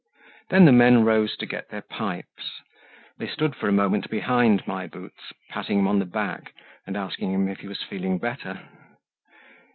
Then the men rose to get their pipes. They stood for a moment behind My Boots, patting him on the back, and asking him if he was feeling better.